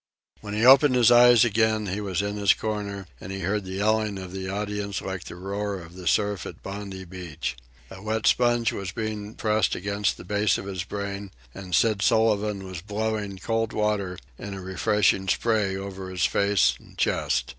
When he opened his eyes again he was in his corner, and he heard the yelling of the audience like the roar of the surf at Bondi Beach. A wet sponge was being pressed against the base of his brain, and Sid Sullivan was blowing cold water in a refreshing spray over his face and chest.